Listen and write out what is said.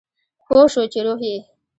پوه شو چې روح یې